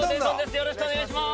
よろしくお願いします